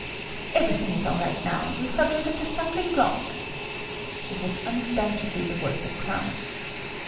"Everything is all right now. We've got rid of the stumbling block." It was undoubtedly the voice of Clown.